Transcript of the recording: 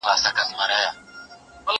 سړي، لرګي، سوټي ،منګي کالي، مالي.ښادي،